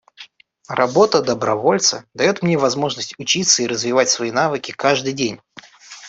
Работа добровольца дает мне возможность учиться и развивать свои навыки каждый день.